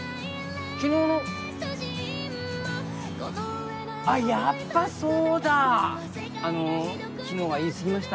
昨日のあっやっぱそうだあの昨日は言いすぎました